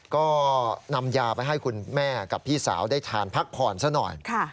ก็นำยาไปให้คุณแม่กับพี่สาวได้ทานพักผ่อนซะหน่อย